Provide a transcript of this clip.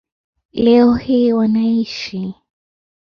Leo hii wanaishi